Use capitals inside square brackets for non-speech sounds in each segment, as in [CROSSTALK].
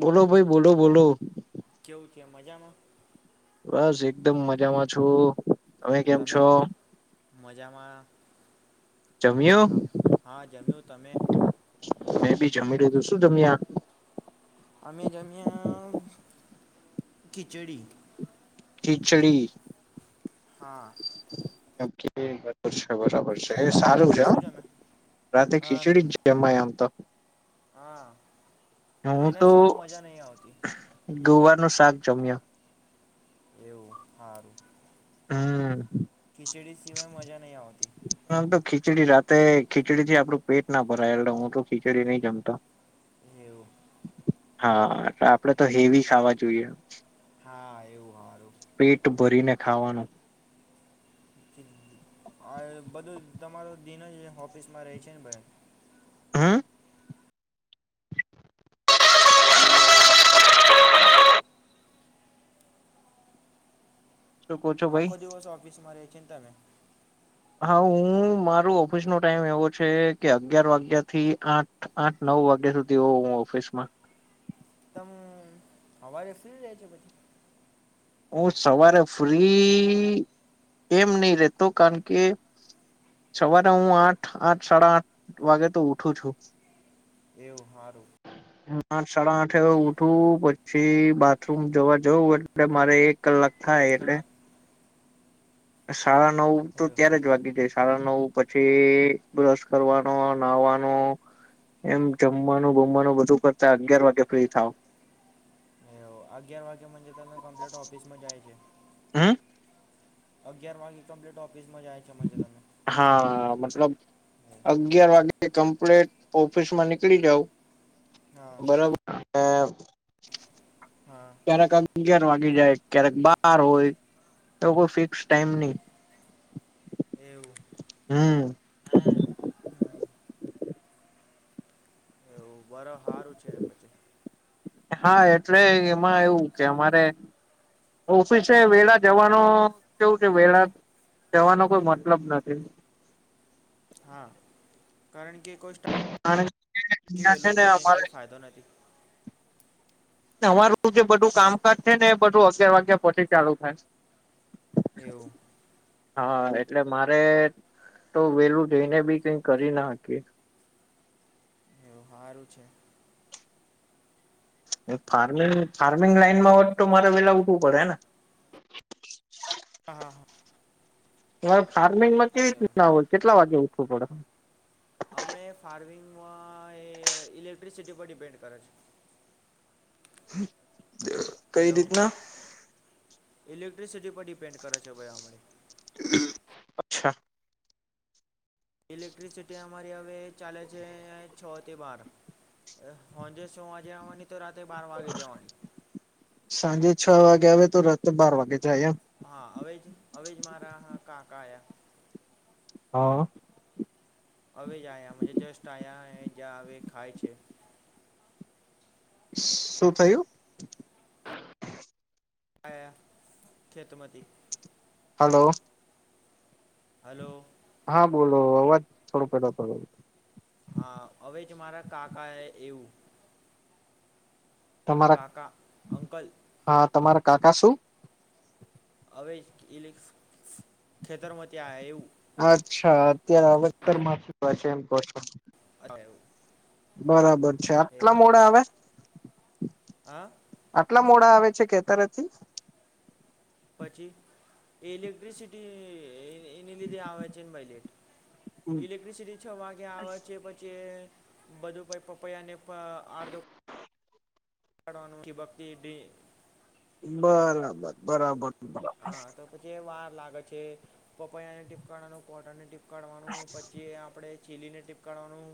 બોલો ભાઈ બોલો બોલો. કેવું ત્યાં મજામાં? બસ એકદમ મજામાં છું ઊં તમે કેમ છો? મજામા જમ્યો ખા હા જમ્યું તમે? મેં બી જમી લીધું શું જમ્યા? અમે જમ્યા આ અ ખીચડી. ખીચડી. હા. કેમ કે એ [UNINTELLIGIBLE] છે બરાબર. છે એ એવું સારું છે તમે હો શું જમે રાતે હા ના ખીચડી જ જમાય આમ તો. હા હું એના તો સિવાય મજા નઈ આવતી. ગોવાર નું શાક જમ્યો? એવું હારુ. હમ્મ. મજા નહીં આવતી આમ તો ખીચડી રાતે ખીચડીથી આપડું પેટ ના ભરાય એટલે હું તો ખીચડી નઈ જમતો. એઉ. હા આપડે તો હેવી સાવા જોઈઅ. હાઆ એવું હારુ. પેટ ભરીને ખાવાનું. આ બધું તમારો દિન જ ઓફિસમાં રેઇ છે ને ભાઈ. હમ [UNINTELLIGIBLE] સ મારે બસ હ [UNINTELLIGIBLE] શું કહો છો ભાઈ આખો દિવસ ઓફિસમાં રહે છે તમે- હા હું માર ઓફિસ નો ટાઈમ એવો છે કે અગિયાર વાગ્યા થી આઠ આઠ નવ વાગ્યા- સુધી હોઉ હું ઓફિસ માં તમે હવારે ફ્રી ર છો પછી હું સવારે ફ્રી એમ નહી રેતો કારણ કે સવારે હું આઠ આઠ સાડા આઠ વાગે તો ઉઠું છું. એવું હારું. હ આઠ સાડા આઠ એ ઉઠું પછી બાથરૂમ જોવા જવું એ મારે એક કલાક એક થાય એટલે કલાક સાડા નવ તો એવું ત્યારે જ વાગી જાય સાડા નવ પછી બ્રશ કરવાનો નવ વાનું એમ જમવાનું ગમવાનું બધું કરતા અગિયાર વાગે ફ્રી થાવ હમ [UNINTELLIGIBLE] તો અગિયાર વાગે તને કમ્પ્લીટ ઓફિસમાં જાય છે. હમ અગિયાર વાગે કમ્લીટ હા મતલબ અગિયાર વાગ્યા એ કમ્પ્લેટ ઓફિસમાં નીકળી જાવ હા બરાબર. હ [UNINTELLIGIBLE] હા ક્યારેક અ અગિયાર વાગી જાય ક્યારેક બાર હોય તો કોઈ ફિક્સ ટાાઈમ નહીં. એવું. હમ. બર સારું છે ને પછી હા એટલે એમાં એવું કે અમારે ઓફિસે વેળ જવાનો કેવું છે વેળ કવાનો કોઈ મતલબ નથી. હા કારણ કે કોઈ સ હણે પછી વહેલું લું જઈને કંઈ ફાયદો નથી. અમારું જે બધું હે કામકાજ છે ને એ બધું અગિયાર વાગ્યા પછી ચાલુ થાય. એવું. હા એટલે મારે તો વેલું જઈને બી કઈ કરી નાખી. એવું સારું છે. ફાર્મિંગ ફાર્મિંગ લાઈનમાં હો તો મારે વેલા ઉઠવું પડે ને હા હા હા. હ ફાર્મિંગમાં કેવી એમ રીત ના હોય કેટલા વાગે ઉઠવું પડે. હમણા ફાર્મિંગમાં એ ઇલેક્ટ્રિસિટી પર ડિપેન્ડ કરે છે. કઈ હેલો રીતના? ઇલેક્ટ્રિસિટી પર ડિપેન્ડ કરે છે ભાઈ અે. અચ્છા. ઇલેક્ટ્રિસિટી અમારી હવે ચાલે છે છ થી બાર. હંજ છ વાગે આવવાની તો રાતે બાર વાગે જવાની સાંજે છ વાગ્યા વજ તો રાત્ર બાર વાગે ચ આઈ? હા અવે જ અવે જ મારા હ કાકા આયા! હા. હવે જ આવયા જસ્ટ આ્યા જ્યાં હવે ખાય છે. શું થયું? આયા ખેતમતી હલો. હલો. હા બોલો અવાજ થોડો પ કર્યો હા હવે જ મારા કાકા એ એવું તમારા કાકા અંકલ હા તમારા કાકા શું? હવે ઇલ ખેતરમથી આવ એવું અચ્છા અત્યારે અવેતર માંથી છે એમ કોછો એવું. બરાબર છે આટલા એવું મોડાે આવે હા. આટલા મોડા આવે છે ખેતરેથી પછી ઇલેક્ટ્રિસિટી એને લીધે આવે છે ને બાઈલેેટ ઇલેક્ટ્રિસિટી છ વાગે આવે છે પછી બધું પ પપૈયાને આડધો [UNINTELLIGIBLE] ભક્તિ બરાબર બરાબર. હા તો પછી એ વાર લાગે છે પપૈયા ને ટીપકનું કોટા ની ટી કઢવાનું પછી આપણે ચીલીને ટીપકાડવાનું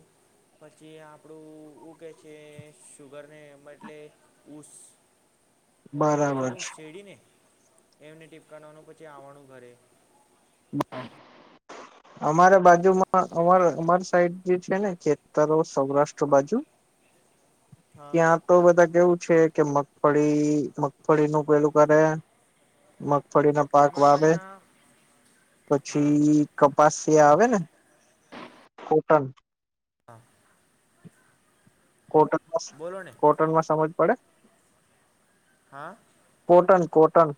પછી આપણું ઉ કે છે શુગર ને એટલે સ [INAUDIBLE] એટલે બરાબર હું છે. શેડીને એમને ટીપકાવાનું પછી આવવાનું ઘરે બ [INAUDIBLE] અમારે બાજુમાં અમાર અમાર સાઈડ જે છે ને ખેતરો સૌરાષ્ટ્ર બાજુ હ [INAUDIBLE] ત્યાં તો બધા કેવું છે. કે મગફળી મગફળી નું પેલું કરે મગફળી ના પાક અમારે તો વાવે એના હા પછી કપાસી આવે આવે ને કોટન હા. કોટણમાં બોલો ને કોટણમાં સમજ પડે- હા. કોટન કોટન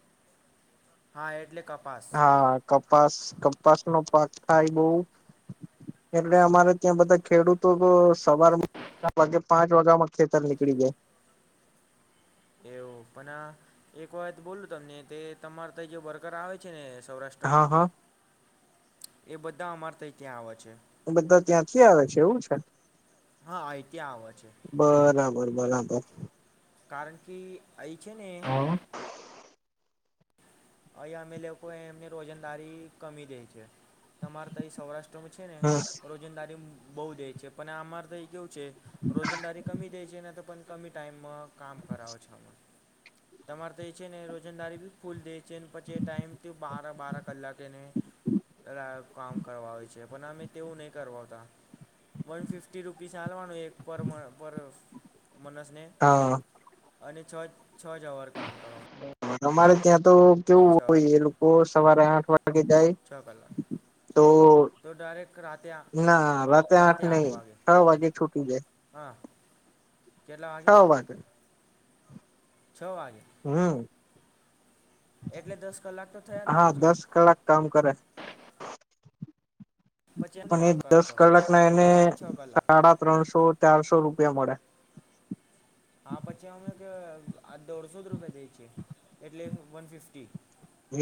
હા એટલે કપાસ હા કપાસ કપાસ નો પાક થાય બહુ એટલે અમારે ત્યાં બધા ખેડૂતો સવાર વાગે પાંચ વાગ્યામાં ખેતર નીકળી જાય [INAUDIBLE] એવું પણ આ એક વાત બોલું તમને તે તમારે ત જે બર્કર આવે છે ને સૌરાષ્ટ્રમાં હા હા એ બધા અમાર ત ત્યાં આવે છે. બધા ત્યાંથી આવે છે એવું છે. હા અ ત્યાં આવે છે. બરાબર બરાબર. કારણ કે અહીં છે ને હા અહીંયા અમે લોકો એમની રોજંદારી કમી દે છે તમારે તો સૌરાષ્ટ્ર છે ને હમ રોજિંદારી બઉુ દે છે પણ અમારે તો એ કેવું છે રોજંદારી કમી દે છે ને તો પણ કમી ટાઈમમાં- કામ કરાવો છો તમારે તો એ છે ને રોજંદારી બી ફૂલ દે ચીનપચે ટાઈમથી બારા બારા કલાકેને કામ કરવા હો છે પણ અમે તેવું નહી કરવાતા વન ફિફ્ટી રૂપીસ હાલવાનું એક પર પર મનસને હા અને છ છ જર કામ કર [UNINTELLIGIBLE] અમારે ત્યાં તો કેવું છ હોય છ એ લોકો સવારે આઠ વાગે જાય કલાક તો તો ડાયરેક રાતે આ ના રાતે આઠ નહી છ વાગે છૂટી જાય હા કેટલા વાગે છ વાગે? હમ. એટલે દસ કલાક તો થયા ને હા પછી દસ કલાક કામ કરે. પછી અમને અને કામ એ દસ કરાવતા પછી કલાકના એને ખાલી છ કલાક સાડા ત્રણસો ચારસો રૂપ રિયા મડે. હા પછી અમે કે આ દોઢસો જ રૂપિયા જઈ છ, એટલે વન ફિફ્ટી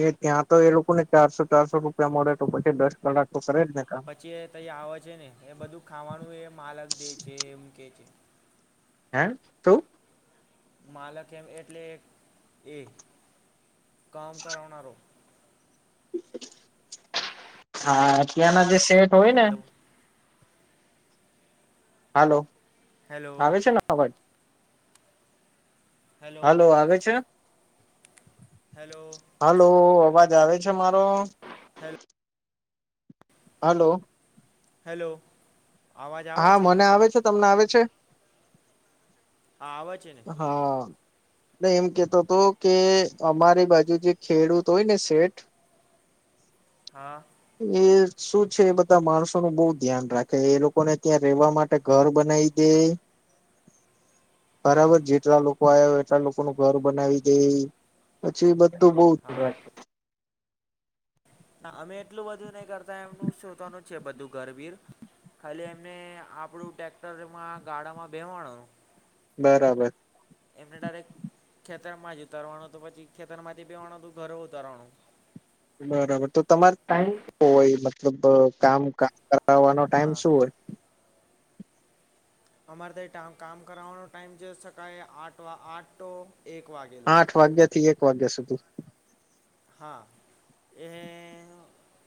એ ત્યાં તો એ લોકોને ચારસો ચારસો રૂપિયા મળે તો પછી દસ કલાક તો કરે જ ને કામ પછી એ ત આવે છે ને એ બધું ખાવાનું એ માલક દે છે એમ કે છે હે તો માલક એમ એટલે એ કામ કરના રો હા ત્યાંના જે સેટ હોય ને હાલો હેલો આવે છે ને અવાજ હેલો હાલો આવે છે? હેલો હલો અવાજ આવે છે મારો? Hello hello. હેલો. અવાજ આવે હા છે ને મને આવે છે, તમને આવે છે? હા આવ છે ને. હા એમ કેતો હતો કે અમારી બાજુ જે ખેડૂત હોય ને શેઠ [UNINTELLIGIBLE] હા એ શું છે એ બધા માણસો ન બહુ ધ્યાન રાખે એ લોકોને ત્યાં રહેેવા માટે ઘર બનાવી દે [INAUDIBLE] બરાબર જેટલા લોકો આવય એટલા લોકોનું ઘર બનાવી દે પછી બધ હા [UNINTELLIGIBLE] ના અમે એટલું બધું નહી કરતા એમનું શોતાનું છે બધું ગરવીર ખાલી એમને આપણું ટેક્ટરમાં ગાળામાં બેવાણ બરાબર. એમને ડાયરેક્ટ ખેતર માં જ ઉતરવાનું તો પછી ખેતર માંથી બેહવાનું તો ઘરે ઉતરવાનું બરાબર તો તમારે ટાઈમ હોય મતલબ કામ વાનો હા ટાઈમ શું હોય? અમારે તો કામ કરવાનો ટાઈમ જો શકાય આ આઠો એક વાગે લી ક દ સુ ત [UNINTELLIGIBLE] હા એ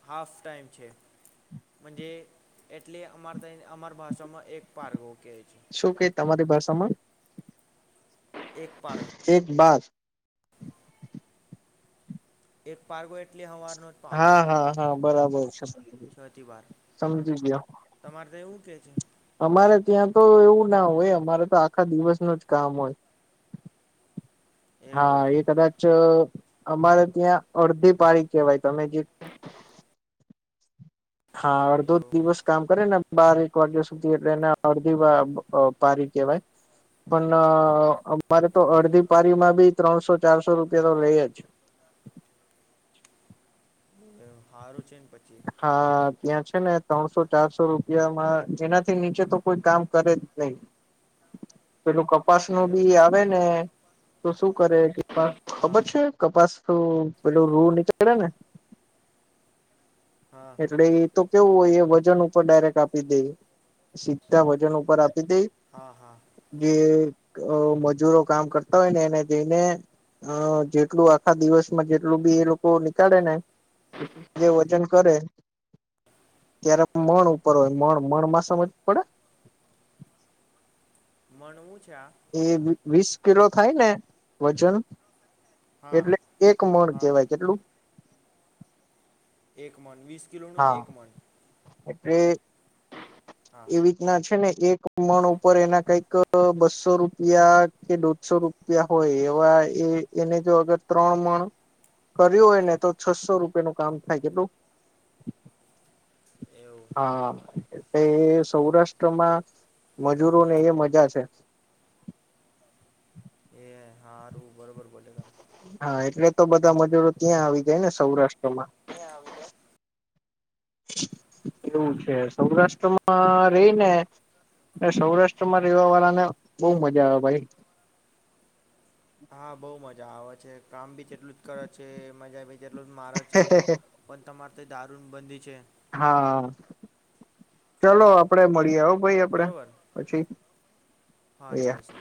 હાફ ટાઈમ છે. જ એટલે અમાર અમાર ભાષામાં એક પારગો કે શું ક તમારી ભાષામાં? એક પાર્ક [INAUDIBLE] એક પાર્ગો એટલી હવા હા હા હા બરાબર છે છ થી બાર સમજી ગયો. તમારે તો એવું કે છે અમારે ત્યાં તો એવું ના હોય અમારે તો આખા દિવસનું જ કામ હોય [INAUDIBLE] હા એ એવું કદાચ અમારે ત્યાં અડધી પારીખ કેહેવાય તમે જે હા અધો એવું દિવસ કામ કરે બારક વાગ્યા સુધી એટલે એને અડધી પારી કહેવાય પણ અમારે તો એવું અડધી પારીમાં બી ત્રણસો ચારસો રૂપિયા તો રે જ હારું ચિ હા ત્યાં છે ને ત્રણસો ચારસો રૂપિયામાં જેનાથી નીચે તો કોઈ કામ કરે જ નહી પેલું ક કપાસ નું એવું બી આવે ને તો શું કરે ખબર હા છે કપાસ તોું પેલું રૂડ નીકળે ને હા એટલે એ તો કેવું હોય એ વજન ઉપર ડાયરેક્ટ આપી દે સીધા વજન ઉપર આપ હા હા જે મજૂરો કામ કરતા હોય ને એને જઈને અ જેટલું આખા દિવસમાં જેટલું બી એ લોકો નીકળે ને જે વજન કરે ત્યારે મણ ઉપર હોય મ મણ માં સમજ પડે મણવું છે આ એ વીસ કિલો થાય ને વજન હા એટલે એક મણ હા કેવાય કેટલું એક મન વીસ કિલોનું એક મણ અરે હા એ રીતના છે ને એક મણ ઉપર એના કઈક બસો રૂપિયા કે દોઢસો રૂપિયા હોય એવા એ એને જો અગર ત્રણ માણ કર્યું હોય ને તો છસો રૂપિયા નું કામ થાય કેટલું [INAUDIBLE] એવું હા એટલે સૌરાષ્ટ્રમાં મજૂરો ને એ મજા છે એ ું બરોબર બોલે તમે હા એટલે તો બધા મજૂરો ત્યાં આવી જાય ને સૌરાષ્ટ્રમાં કત્યાં આવી ગ્યા એમ એવું છે સૌરાષ્ટ્રમાં રહી ને સૌરાષ્ટ્ર માં રહેેવા વાળા ને બહુ મજા આવે ભાઈ હા બઉ મજા આવે છે કામ બી તેટલું જ કરે છે મજા બ જેટલો મારા છે પણ તમારે તો દારૂ બંધી છે હા ચલોો આપડે મળી આવ ભાઈ આપડે બરોબર પછી હા એ ચાલશે